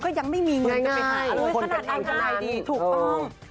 ก็ยังไม่มีเงินหรือขนาดไรดีถูกต้อง